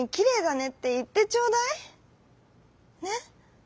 ねっ？」。